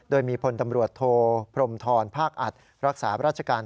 โดยมีพลตำรวจโทพรมธรภาคอัดรักษาราชการ